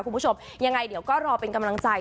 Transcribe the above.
คุณผู้ชมยังไงเดี๋ยวก็รอเป็นกำลังใจ